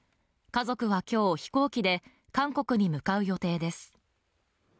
家族は今日、飛行機で韓国に向かう予定です。